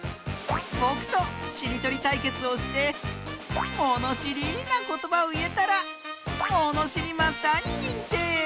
ぼくとしりとりたいけつをしてものしりなことばをいえたらものしりマスターににんてい！